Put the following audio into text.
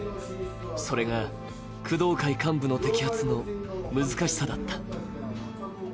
それが工藤会幹部の摘発の難しさだった。